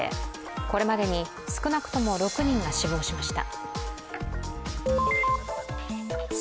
これまでに少なくとも６人が死亡しました。